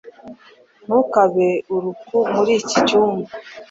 Ntukabe uruaku muri iki cyumba